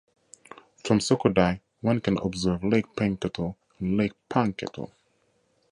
From Sokodai, one can observe Lake Penketo and Lake Panketo.